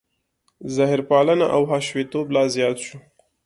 ظاهرپالنه او حشویتوب لا زیات شو.